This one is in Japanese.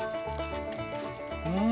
うん！